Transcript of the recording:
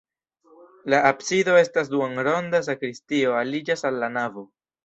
La absido estas duonronda, sakristio aliĝas al la navo.